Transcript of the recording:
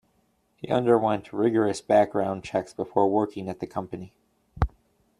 He underwent rigorous background checks before working at the company.